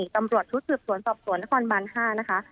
ตำรวจทุษศิษย์สวนสอบสวนนครบรรณห้านะคะ